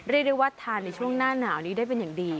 เรียกได้ว่าทานในช่วงหน้าหนาวนี้ได้เป็นอย่างดี